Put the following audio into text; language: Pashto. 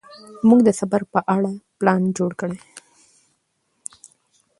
موږ د سفر په اړه پلان جوړ کړ.